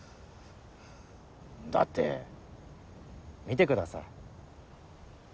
だって見てください。